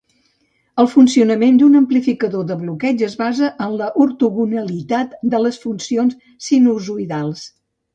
El funcionament d'un amplificador de bloqueig es basa en l'ortogonalitat de les funcions sinusoïdals.